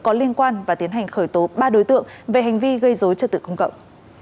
có liên quan và tiến hành khởi tố ba đối tượng về hành vi gây dối trật tự công cộng